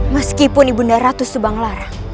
meskipun ibu naratu subanglarang